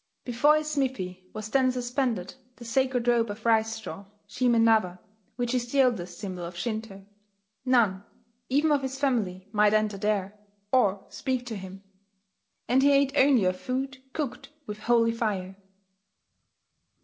Before his smithy was then suspended the sacred rope of rice straw (shime nawa), which is the oldest symbol of Shinto: none even of his family might enter there, or speak to him; and he ate only of food cooked with holy fire.